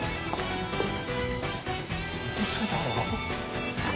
嘘だろ？